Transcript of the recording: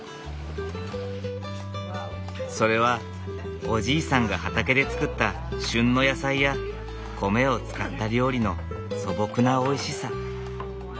それはおじいさんが畑で作った旬の野菜や米を使った料理の素朴なおいしさ。